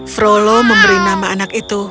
flau lau memberi nama anak itu